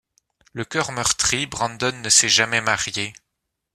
Le cœur meurtri, Brandon ne s'est jamais marié.